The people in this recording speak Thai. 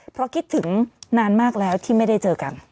เพราะคิดถึงนานมากแล้วที่ไม่ได้เจอกัน